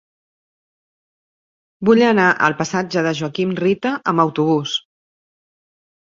Vull anar al passatge de Joaquim Rita amb autobús.